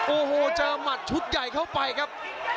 โอ้โหเจอหมัดชุดใหญ่เข้าไปครับ